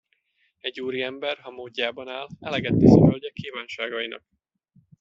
Egy úriember, ha módjában áll, eleget tesz a hölgyek kívánságainak.